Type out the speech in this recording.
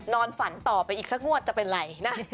นอนฝันอีกสักงวดจะเป็นอะไร